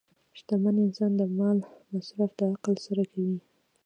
شتمن انسان د مال مصرف د عقل سره کوي.